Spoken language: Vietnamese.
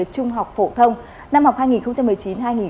trung học phổ thông năm học hai nghìn một mươi chín hai nghìn hai mươi